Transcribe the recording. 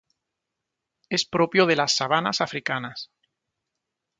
Es propio de las sabanas africanas.